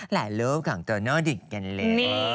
หลายเลิฟของเจ้าน่าวดิ่งกันเลย